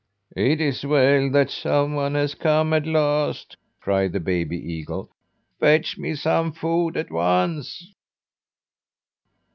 "It is well that some one has come at last," cried the baby eagle. "Fetch me some food at once!"